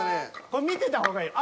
見てた方がいい。